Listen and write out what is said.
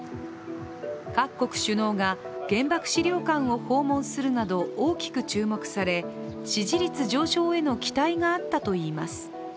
各国首脳が原爆資料館を訪問するなど大きく注目され支持率上昇への期待があったといいます。